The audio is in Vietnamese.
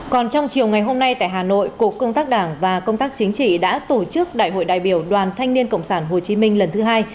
còn trong chiều ngày hôm nay tại hà nội cục công tác đảng và công tác chính trị đã tổ chức đại hội đại biểu đoàn thanh niên cộng sản hồ chí minh lần thứ hai